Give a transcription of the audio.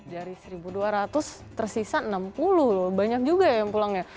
dari satu dua ratus tersisa enam puluh loh banyak juga yang pulang ya